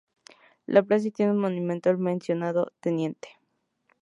La plaza tiene un monumento al mencionado teniente.